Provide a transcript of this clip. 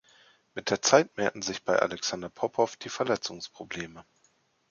Mit der Zeit mehrten sich bei Alexander Popow die Verletzungsprobleme.